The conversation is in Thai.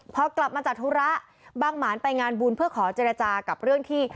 พอกลับมาจากธุระบางหมานไปงานบุญเพื่อขอเจรจากับเรื่องที่